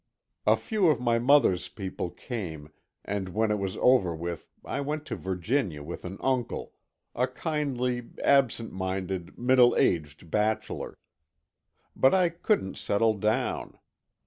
A few of my mother's people came, and when it was over with I went to Virginia with an uncle, a kindly, absent minded, middle aged bachelor. But I couldn't settle down.